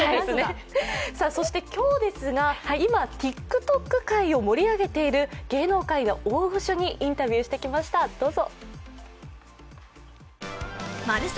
そして今日ですが今ＴｉｋＴｏｋ界を盛り上げている芸能界の大御所にインタビューしてきました、どうぞ。